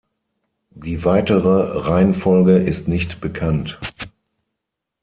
Die weitere Reihenfolge ist nicht bekannt.